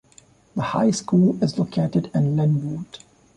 The high school is located in Linwood.